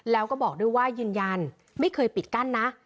แล้วก็บอกด้วยว่ายืนยันไม่เคยปิดกั้นนะ